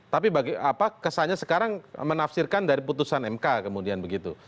tapi kesannya sekarang menafsirkan dari putusan mk kemudian begitu